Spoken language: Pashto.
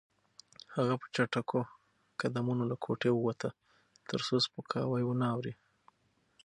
هغه په چټکو قدمونو له کوټې ووته ترڅو سپکاوی ونه اوري.